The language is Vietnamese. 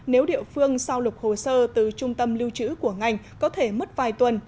nếu địa phương sao lục hồ sơ từ trung tâm lưu trữ của ngành có thể mất vài tuần